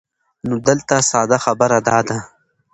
نو دلته ساده خبره دا ده